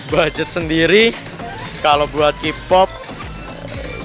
budget sendiri kalau buat k pop selagi suka kayaknya